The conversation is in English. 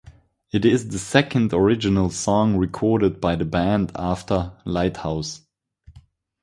It is the second original song recorded by the band after "Lighthouse".